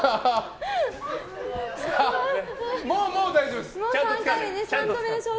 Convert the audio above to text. もう大丈夫です。